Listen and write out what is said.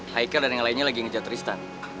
haika dan yang lainnya lagi ngejar tristan